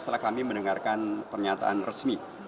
setelah kami mendengarkan pernyataan resmi